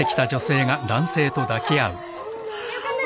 よかった。